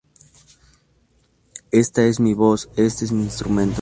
Esta es mi voz, este es mi instrumento.